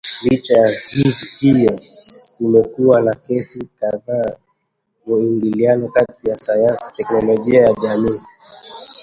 Licha ya hayo, kumekuwa na kesi kadhaa za muingiliano kati ya Sayansi, Teknolojia na Jamii